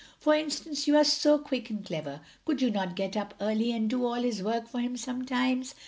For instance you are so quick and clever, could you not get up early, and do all his work for him sometimes?